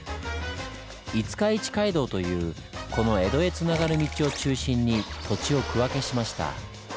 五日市街道というこの江戸へつながる道を中心に土地を区分けしました。